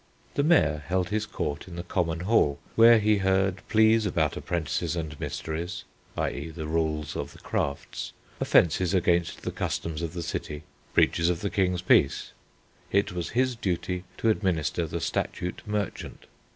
The Mayor held his court in the Common Hall, where he heard pleas about apprentices and mysteries (i.e. the rules of the crafts); offences against the customs of the city; breaches of the King's peace. It was his duty to administer the statute merchant.